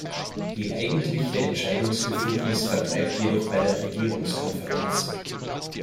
Die eigentliche Entscheidungsbefugnis verbleibt jedoch bei der Regierungskonferenz.